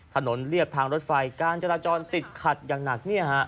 เรียบทางรถไฟการจราจรติดขัดอย่างหนัก